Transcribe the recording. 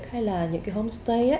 hay là những cái homestay